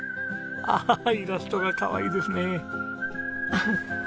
アハハイラストがかわいいですね。